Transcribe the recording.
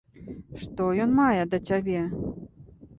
Што ён мае да цябе?